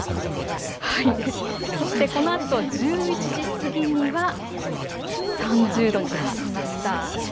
そして、このあと１１時過ぎには３０度に達しました。